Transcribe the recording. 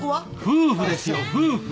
夫婦ですよ夫婦。